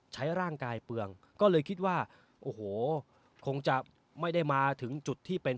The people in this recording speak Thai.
ใช้ร่างกายเปลืองก็เลยคิดว่าโอ้โหคงจะไม่ได้มาถึงจุดที่เป็น